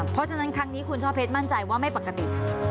เพราะฉะนั้นครั้งนี้คุณช่อเพชรมั่นใจว่าไม่ปกติ